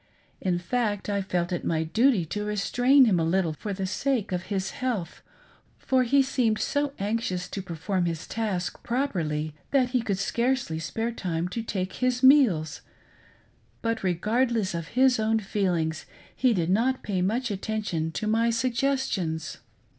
In fact, I felt it my duty to restrain him a little for the sake of his health, for he seemed so anxious to perform his " task " prop erly that he could scarcely spare time to take his meals ; but regardless of his own feelings he did not pay much attention to my suggestions.